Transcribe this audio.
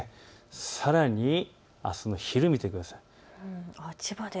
さらにあすの昼を見てください。